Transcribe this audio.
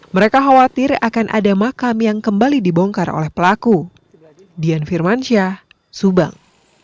mereka khawatir akan ada makam yang kembali dibongkar oleh pelaku dian firmansyah subang